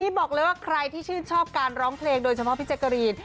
บอกเลยว่าใครที่ชื่นชอบการร้องเพลงโดยเฉพาะพี่แจ๊กกะรีน